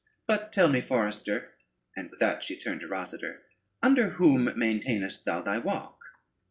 But tell me, forester," and with that she turned to Rosader, "under whom maintainest thou thy walk?"